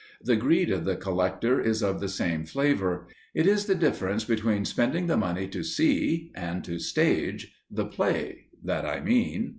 The greed of the collector is of the same flavour. It is the difference between spending the money to see and to stage the play that I mean.